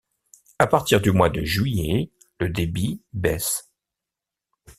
À partir du mois de juillet, le débit baisse.